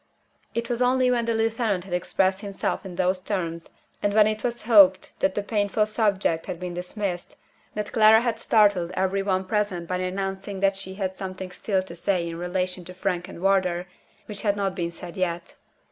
It was only when the lieutenant had expressed himself in those terms and when it was hoped that the painful subject had been dismissed that Clara had startled every one present by announcing that she had something still to say in relation to Frank and Wardour, which had not been said yet.